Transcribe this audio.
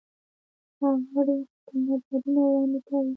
غړي خپل نظرونه وړاندې کوي.